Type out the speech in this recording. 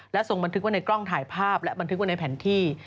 ทรงบันทึกไว้ในกล้องถ่ายภาพและบันทึกไว้ในแผนที่